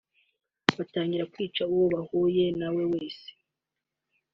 batangira kwica uwo bahuye nawe wese